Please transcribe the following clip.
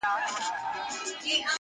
د ګدا لور ښایسته وه تکه سپینه-